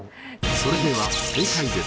それでは正解です。